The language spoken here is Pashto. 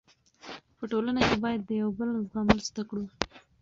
په ټولنه کې باید د یو بل زغمل زده کړو.